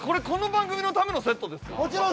この番組のためのセットですか？